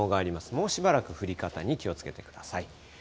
もうしばらく降り方に気をつけてください。